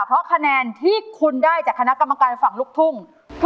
เพราะคะแนนที่คุณได้จากคณะกรรมการฝั่งลูกทุ่ง